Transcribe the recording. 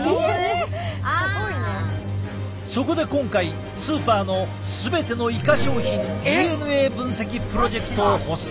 そこで今回スーパーの全てのイカ商品ＤＮＡ分析プロジェクトを発足。